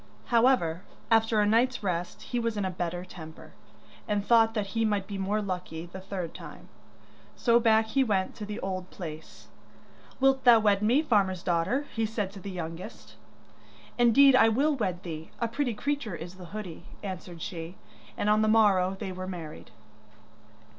However, after a night's rest he was in a better temper, and thought that he might be more lucky the third time, so back he went to the old place. 'Wilt thou wed me, farmer's daughter?' he said to the youngest. 'Indeed I will wed thee; a pretty creature is the hoodie,' answered she, and on the morrow they were married.